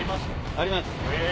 あります。